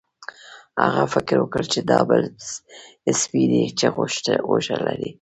هغه فکر وکړ چې دا بل سپی دی چې غوښه لري.